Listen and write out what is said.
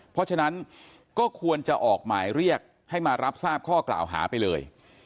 เพราะฉะนั้นก็ควรจะออกหมายเรียกให้มารับทราบข้อกล่าวหาไปเลย